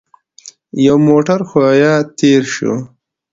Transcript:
يو موټر ښويه تېر شو.